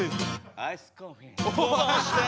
「アイスコーヒー」。